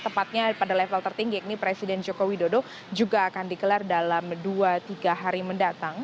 tepatnya pada level tertinggi ini presiden joko widodo juga akan dikelar dalam dua tiga hari mendatang